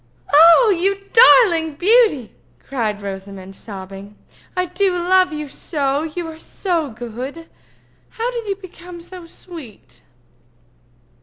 "You darling beauty!" cried Rosamond, sobbing. "I do love you so, you are so good. How did you become so sweet?"